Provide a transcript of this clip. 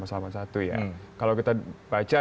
tahun seribu sembilan ratus delapan puluh satu kalau kita baca